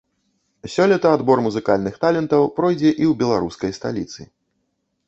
Сёлета адбор музыкальных талентаў пройдзе і ў беларускай сталіцы.